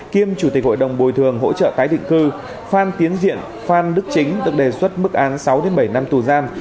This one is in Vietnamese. kiêm chủ tịch hội đồng bồi thường hỗ trợ tái định cư phan tiến diện phan đức chính được đề xuất mức án sáu bảy năm tù giam